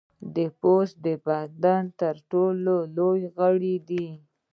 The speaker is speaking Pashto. پوست د بدن تر ټولو لوی غړی دی.